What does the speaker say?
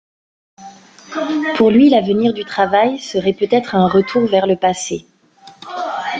Pour lui, l'avenir du travail serait peut-être un retour vers le passé.